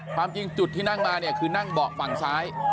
ความจริงจุดที่นั่งมาเนี่ยคือนั่งเบาะฝั่งซ้าย